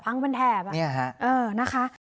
พังเป็นแถบนี่ฮะเออนะคะ